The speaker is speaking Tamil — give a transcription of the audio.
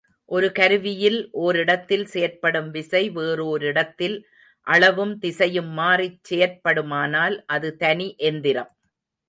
ஒரு கருவியில் ஒரிடத்தில் செயற்படும் விசை வேறோரிடத்தில் அளவும் திசையும் மாறிச் செயற் படுமானால், அது தனி எந்திரம்.